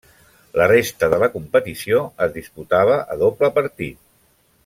La resta de la competició es disputava a doble partit.